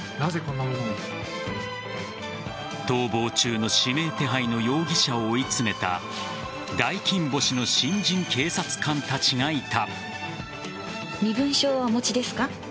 逃亡中の指名手配の容疑者を追い詰めた大金星の新人警察官たちがいた。